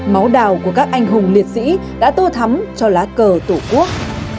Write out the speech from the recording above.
máu đào của các anh hùng liệt sĩ đã tô thắm cho lá cờ tổ quốc